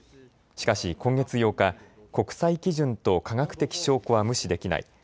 しかし今月８日、国際基準と科学的証拠は無視できない。